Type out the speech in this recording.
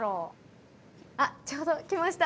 あっちょうど来ました。